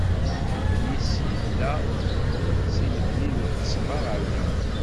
Lebni-s yella-d si lebni n Lqesba ɣer da.